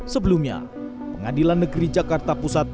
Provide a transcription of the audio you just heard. sebelumnya pengadilan negeri jakarta pusat